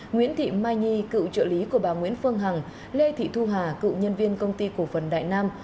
nguyễn thị mai nhi cựu trợ lý của bà nguyễn phương hằng lê thị thu hà cựu nhân viên công ty cổ phần đại nam